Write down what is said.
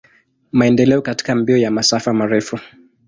Maendeleo katika mbio ya masafa marefu.